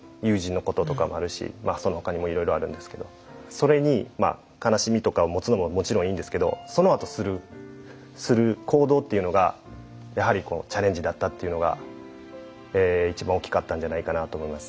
それに悲しみとかを持つのももちろんいいんですけどそのあとする行動っていうのがやはりチャレンジだったっていうのが一番大きかったんじゃないかなと思います。